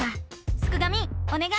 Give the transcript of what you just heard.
すくがミおねがい！